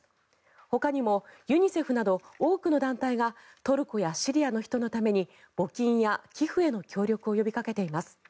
ほかにもユニセフなど多くの団体がトルコやシリアの人のために募金や寄付への協力を呼びかけています。